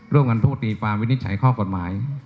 ร่วมกันทุกตีความวินิจฉัยข้อกฎหมาย